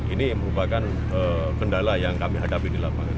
ini merupakan kendala yang kami hadapi di lapangan